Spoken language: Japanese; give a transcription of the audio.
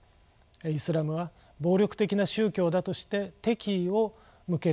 イスラムは暴力的な宗教だとして敵意を向けるようになっていきます。